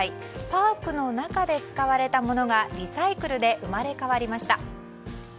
パークの中で使われたものがリサイクルで生まれ変わりました。